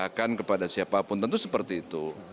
menunjukkan keberpihakan kepada siapapun tentu seperti itu